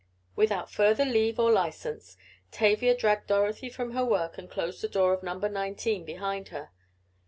Without further leave or license Tavia dragged Dorothy from her work and closed the door of Number Nineteen behind her.